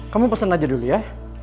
kamu pesen aja dulu ya